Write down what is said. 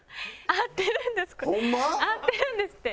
合ってるんですって。